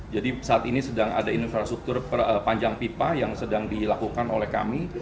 jadi saat ini sedang ada infrastruktur panjang pipa yang sedang dilakukan oleh kami